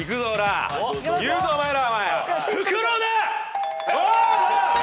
言うぞお前ら。